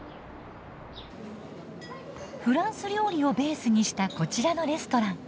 フランス料理をベースにしたこちらのレストラン。